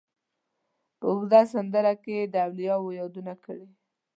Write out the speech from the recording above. په اوږده سندره کې یې د اولیاوو یادونه کړې.